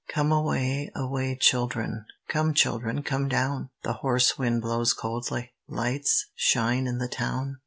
Come away, away, children; Come, children, come down ! The hoarse wind blows coldly ; Lights shine in the town.